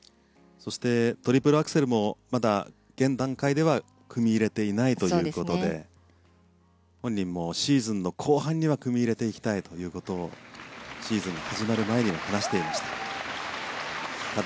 そしてトリプルアクセルも現段階では組み入れていないということで本人もシーズンの後半には組み入れていきたいということをシーズンの始まる前には話していました。